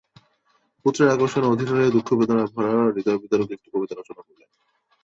পুত্রের আকর্ষণে অধীর হয়ে দুঃখ-বেদনায় ভরা হৃদয় বিদারক একটি কবিতা রচনা করলেন।